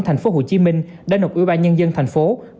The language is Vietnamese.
tp hcm đã nộp ủy ban nhân dân tp hcm